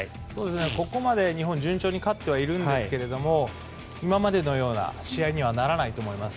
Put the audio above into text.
ここまで日本は順調に勝ってはいるんですが今までのような試合にはならないと思います。